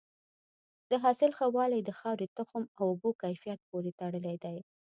د حاصل ښه والی د خاورې، تخم او اوبو کیفیت پورې تړلی دی.